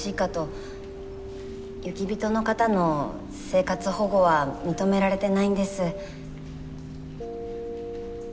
雪人の方の生活保護は認められてないんです。